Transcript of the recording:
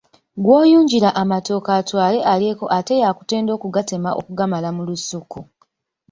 Gw’oyunjira amatooke atwale alyeko ate yakutenda okugatema okugamala mu lusuku.